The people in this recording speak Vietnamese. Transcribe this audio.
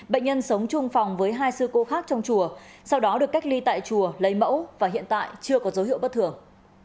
bệnh nhân sống chung phòng với hai sư cô khác trong chùa sau đó được cách ly tại chùa lấy mẫu và hiện tại chưa có dấu hiệu bất thường